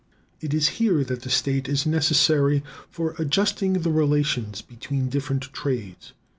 It is here that the state is necessary for adjusting the relations between different trades.